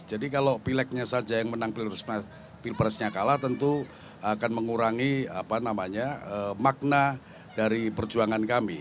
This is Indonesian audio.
jadi kalau pileknya saja yang menang pilpresnya kalah tentu akan mengurangi makna dari perjuangan kami